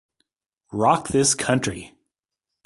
Rock This Country!